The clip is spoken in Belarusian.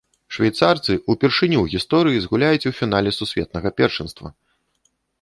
Швейцарцы ўпершыню ў гісторыі згуляюць у фінале сусветнага першынства!